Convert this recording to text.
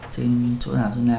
trên chỗ nào sơn la